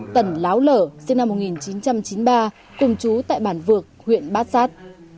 tần láo lở sinh năm một nghìn chín trăm chín mươi ba cùng chú tại bản vược huyện bát sát